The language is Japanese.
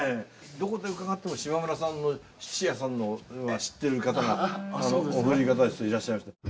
どこで伺っても島村さんの質屋さんは知ってる方がお目にかかる人いらっしゃいました。